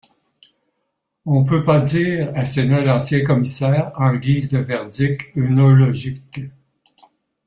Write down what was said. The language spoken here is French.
on peut pas dire, asséna l’ancien commissaire en guise de verdict œnologique.